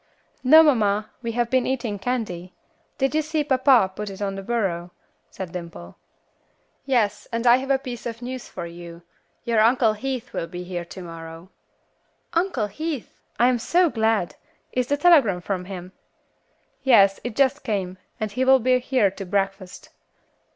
"No, mamma, we have been eating candy. Did you see papa put it on the bureau?" said Dimple. "Yes, and I have a piece of news for you. Your Uncle Heath will be here to morrow." "Uncle Heath! I am so glad. Is the telegram from him?" "Yes, it just came, and he will be here to breakfast."